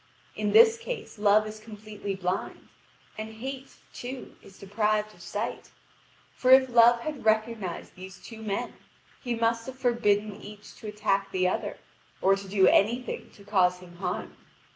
In this case Love is completely blind, and Hate, too, is deprived of sight. For if Love had recognised these two men, he must have forbidden each to attack the other, or to do any thing to cause him harm.